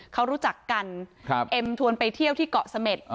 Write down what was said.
เขารู้จักกันเอ็มชวนไปเที่ยวที่เกาะเสม็ด